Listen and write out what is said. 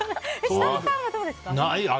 設楽さんはどうですか？